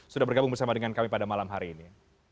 sudah bergabung bersama dengan kami pada malam hari ini